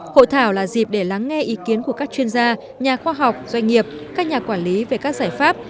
hội thảo là dịp để lắng nghe ý kiến của các chuyên gia nhà khoa học doanh nghiệp các nhà quản lý về các giải pháp